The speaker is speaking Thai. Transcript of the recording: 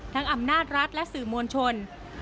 อำนาจรัฐและสื่อมวลชน